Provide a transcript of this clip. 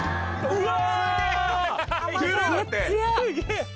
うわ！